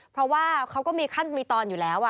เพราะว่าเขาก็มีขั้นมีตอนอยู่แล้ว